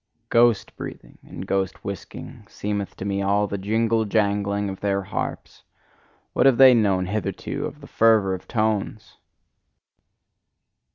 Ghost breathing and ghost whisking, seemeth to me all the jingle jangling of their harps; what have they known hitherto of the fervour of tones!